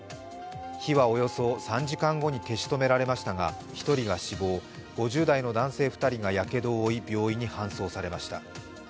火はおよそ３時間後に消し止められましたが１人が死亡、５０代の男性２人がやけどを負い病院に搬送されました。